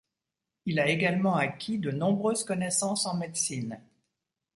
Il a également acquit de nombreuses connaissances en médecine.